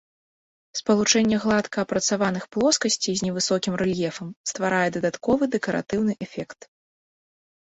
Спалучэнне гладка апрацаваных плоскасцей з невысокім рэльефам стварае дадатковы дэкаратыўны эфект.